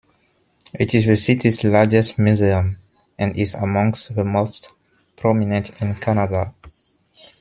It is the city's largest museum and is amongst the most prominent in Canada.